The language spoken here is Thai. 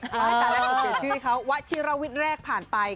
พี่พี่ให้เห็นข้าววัตซีราวิชแรกผ่านไป